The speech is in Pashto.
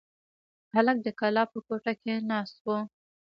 هلک د کلا په کوټه کې ناست و.